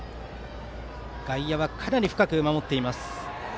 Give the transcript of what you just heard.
外野はかなり深く守っています。